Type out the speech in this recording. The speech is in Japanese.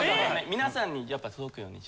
皆さんにやっぱ届くように。